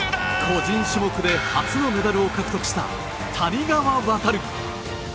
個人種目で初のメダルを獲得した谷川航。